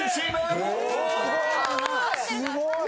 すごーい！